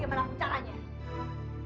jadi orang miskin capek